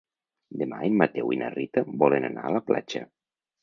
Demà en Mateu i na Rita volen anar a la platja.